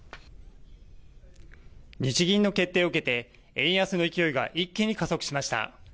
日銀の決定を受けて円安の勢いが一気に加速しました。